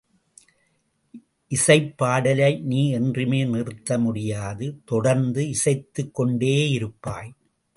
இசைப் பாடலை நீ என்றுமே நிறுத்த முடியாது தொடர்ந்து இசைத்துக் கொண்டேயிருப்பாய்!